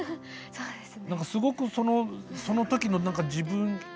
そうですね。